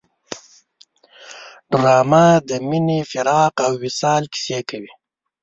ډرامه د مینې، فراق او وصال کیسې کوي